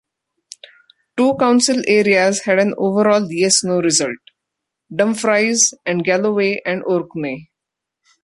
Two council areas had an overall "Yes-No" result - Dumfries and Galloway and Orkney.